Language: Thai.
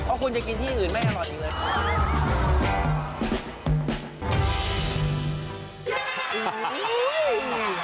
เพราะคุณจะกินที่อื่นไม่อร่อยอีกเลย